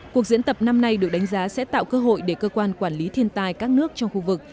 cuộc diễn tập năm nay được đánh giá sẽ tạo cơ hội để cơ quan quản lý thiên tai các nước trong khu vực